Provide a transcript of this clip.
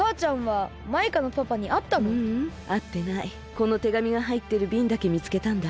このてがみがはいってるびんだけみつけたんだ。